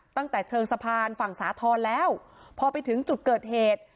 ตั้งแต่เชิงสะพานฝั่งสาธรณ์แล้วพอไปถึงจุดเกิดเหตุ